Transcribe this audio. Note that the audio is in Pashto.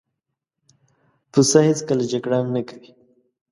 پسه هېڅکله جګړه نه کوي.